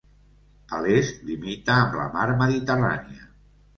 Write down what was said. A l'est limita amb la mar Mediterrània.